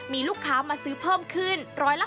มีลูกค้ามาซื้อเพิ่มขึ้น๑๕